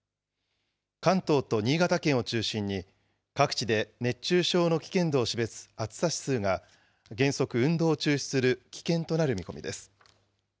関東と新潟県を中心に、各地で熱中症の危険度を示す暑さ指数が、原則、運動を中止する危険となる見込みです。